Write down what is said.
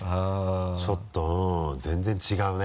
ちょっとうん全然違うね。